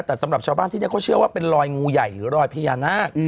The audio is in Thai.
แต่สำหรับชาวบ้านที่นี่เขาเชื่อว่าเป็นรอยงูใหญ่หรือรอยพญานาค